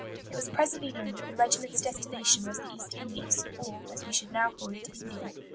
It was presently known that the regiment's destination was the East Indies, or, as we should now call it, India.